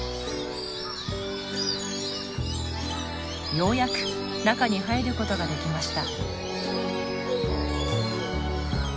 ようやく中に入ることができました。